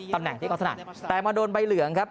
ตำแหน่งที่เขาถนัดแต่มาโดนใบเหลืองครับ